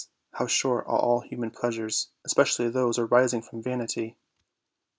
how short are all human pleasures, especially those arising from vanity!